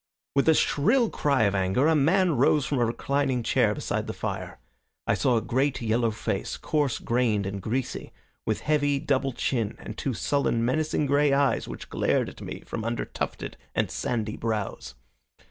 With a shrill cry of anger a man rose from a reclining chair beside the fire. I saw a great yellow face, coarse grained and greasy, with heavy, double chin, and two sullen, menacing gray eyes which glared at me from under tufted and sandy brows.